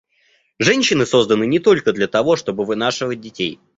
Женщины созданы не только для того, чтобы вынашивать детей.